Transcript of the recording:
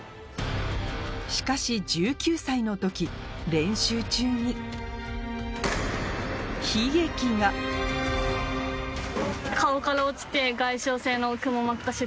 しかし１９歳の時練習中にのかな？